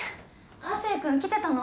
亜生くん来てたの？